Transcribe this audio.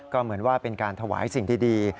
ก็เหมือนว่าเป็นการถวายสิ่งดี